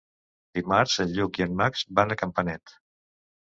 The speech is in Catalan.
Dimarts en Lluc i en Max van a Campanet.